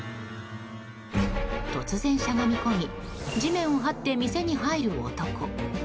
突然しゃがみ込み地面をはって店に入る男。